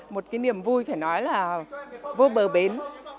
một cái niềm vui phải nói là vô bờ bến